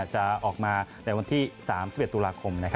จะออกมาในวันที่๓๑ตุลาคม